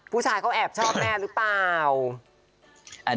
ผู้ชายเขาแอบชอบแม่หรือเปล่า